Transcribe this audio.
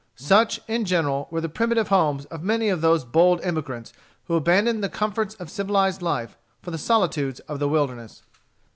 Such, in general, were the primitive homes of many of those bold emigrants who abandoned the comforts of civilized life for the solitudes of the wilderness.